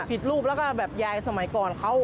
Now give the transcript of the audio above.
ผิดรูปแล้วก็แบบยายสมัยก่อนเขา